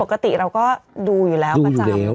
ปกติเราก็ดูอยู่แล้วประจำ